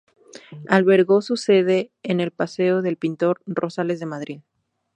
Albergó su sede en el paseo del Pintor Rosales de Madrid.